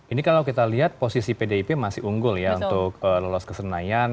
ini kalau kita lihat posisi pdip masih unggul ya untuk lolos ke senayan